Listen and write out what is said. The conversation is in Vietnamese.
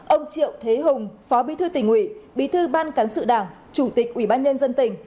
ông triệu thế hùng phó bí thư tỉnh ủy bí thư ban cán sự đảng chủ tịch ủy ban nhân dân tỉnh